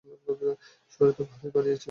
শরীর তো ভালোই বানিয়েছে।